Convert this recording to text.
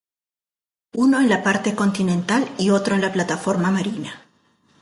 Uno en la parte continental y otro en la plataforma marina.